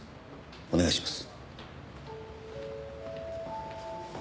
お願いします。